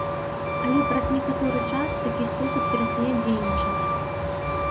Але праз некаторы час такі спосаб перастае дзейнічаць.